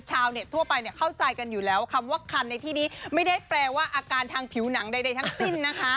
ชาวเน็ตทั่วไปเข้าใจกันอยู่แล้วคำว่าคันในที่นี้ไม่ได้แปลว่าอาการทางผิวหนังใดทั้งสิ้นนะคะ